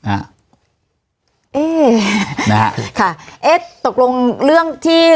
เอ๊ะนะฮะค่ะเอ๊ะตกลงเรื่องที่